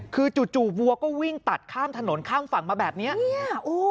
คือจู่วัวก็วิ่งตัดข้ามถนนข้ามฝั่งมาแบบนี้เนี่ย